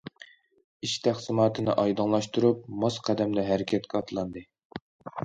ئىش تەقسىماتىنى ئايدىڭلاشتۇرۇپ، ماس قەدەمدە ھەرىكەتكە ئاتلاندى.